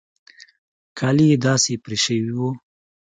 کالي يې داسې پرې پرې وو.